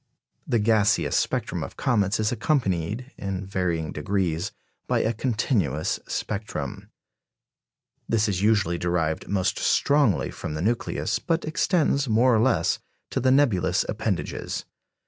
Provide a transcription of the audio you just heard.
The gaseous spectrum of comets is accompanied, in varying degrees, by a continuous spectrum. This is usually derived most strongly from the nucleus, but extends, more or less, to the nebulous appendages.